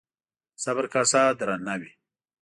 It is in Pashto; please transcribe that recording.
د صبر کاسه درانه وي